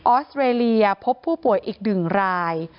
อสเตรเลียพบผู้ป่วยอีก๑ราย